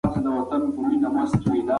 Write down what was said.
ټولنیز ژوند د ګډو اړیکو له منځه نه ځي.